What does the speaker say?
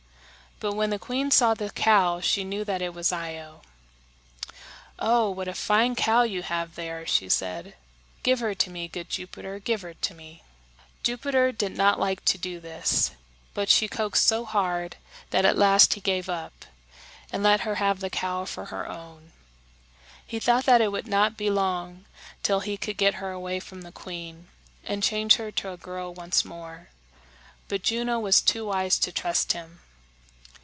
But when the queen saw the cow, she knew that it was Io. "Oh, what a fine cow you have there!" she said. "Give her to me, good Jupiter, give her to me!" Jupiter did not like to do this; but she coaxed so hard that at last he gave up, and let her have the cow for her own. He thought that it would not be long till he could get her away from the queen, and change her to a girl once more. But Juno was too wise to trust him.